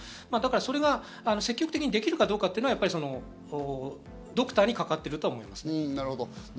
それが積極的にできるかどうかというのはドクターにかかっていると思います。